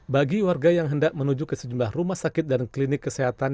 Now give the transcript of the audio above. bagi warga yang hendak menuju ke sejumlah rumah sakit dan klinik kesehatan